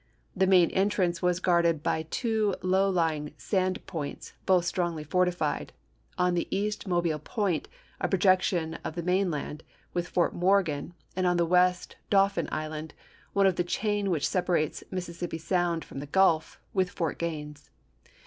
The main entrance was guarded by two low lying sand points, both strongly forti fied : on the east Mobile point, a projection of the mainland, with Fort Morgan, and on the west Dauphin Island, one of the chain which separates Mississippi Sound from the Gulf, with Fort Gaines.